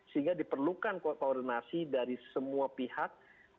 sehingga diperlukan koordinasi dari semua pihak